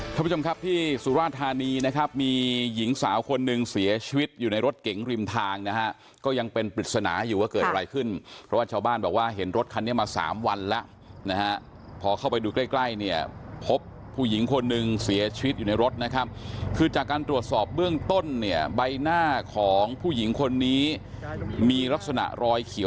ท่านผู้ชมครับที่สุราธานีนะครับมีหญิงสาวคนหนึ่งเสียชีวิตอยู่ในรถเก๋งริมทางนะฮะก็ยังเป็นปริศนาอยู่ว่าเกิดอะไรขึ้นเพราะว่าชาวบ้านบอกว่าเห็นรถคันนี้มาสามวันแล้วนะฮะพอเข้าไปดูใกล้ใกล้เนี่ยพบผู้หญิงคนหนึ่งเสียชีวิตอยู่ในรถนะครับคือจากการตรวจสอบเบื้องต้นเนี่ยใบหน้าของผู้หญิงคนนี้มีลักษณะรอยเขียว